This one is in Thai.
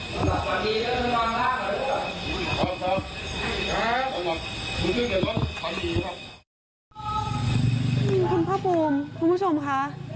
ของเธอที่อายุของพี่เดี๋ยวล่า